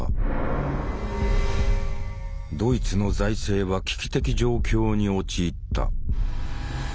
ドイツの財政は危機的状況に陥った。